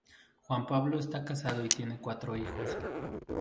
Juan Pablo está casado y tiene cuatro hijos.